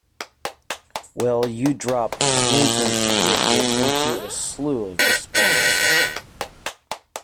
Well, you dropped Linton with it into a Slough of Despond.